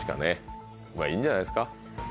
まぁいいんじゃないですか？